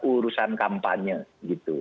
urusan kampanye gitu